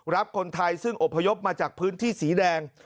รับคนไทยซึ่งอบพยพมาจากพื้นที่สีแดง